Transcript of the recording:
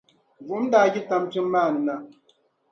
buɣim daa yi tampiŋ maa ni na.